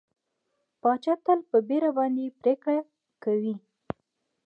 پاچا تل په بېړه باندې پرېکړه کوي کوي.